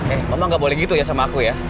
eh mama gak boleh gitu ya sama aku ya